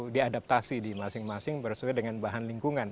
diadaptasi di masing masing bersesuai dengan bahan lingkungan